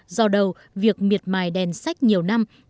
do đầu việc miệt mài đèn sách nhiều năm